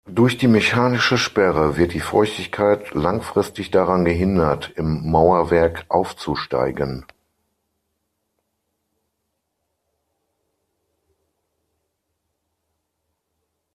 Durch die Mechanische Sperre wird die Feuchtigkeit langfristig daran gehindert, im Mauerwerk aufzusteigen.